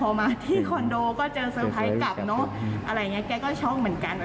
พอมาที่คอนโดก็เจอเซอร์ไพรส์กลับเนอะอะไรอย่างนี้แกก็ช็อกเหมือนกัน